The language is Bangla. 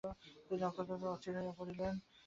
নক্ষত্ররায় অস্থির হইয়া পড়িলেন।